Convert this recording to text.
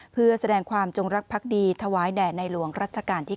เพื่อแสดงความจงรักภักดีถวายแด่ในหลวงรัชกาลที่๙